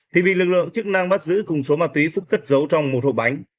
thì bị lực lượng chức năng bắt giữ cùng số ma túy phúc cất giấu trong một hộp bánh